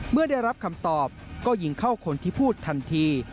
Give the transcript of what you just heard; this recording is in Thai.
เมื่อได้รับคำตอบก็ยิงเข้าคนที่พูดทันที